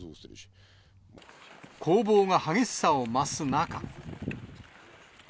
攻防が激しさを増す中。